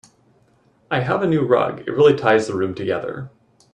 I have a new rug, it really ties the room together.